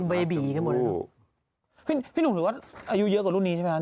ปีลุ่มหรือว่าอายุเยอะเกินกว่ารุ่นนี้ใช่มั้ย